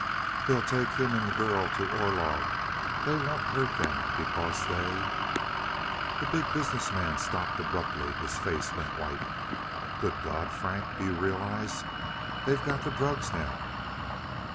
"They'll take him and the girl to Orlog. They won't hurt them because they " The Big Business Man stopped abruptly; his face went white. "Good God, Frank, do you realize? They've got the drugs now!"